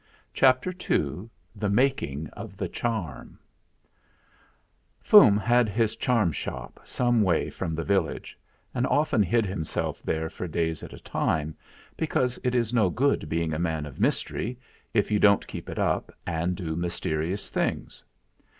CHAPTER II THE MAKING OF THE CHARM Fum had his charm shop some way from the village, and often hid himself there for days at a time; because it is no good being a man of mystery if you don't keep it up and do mys terious things.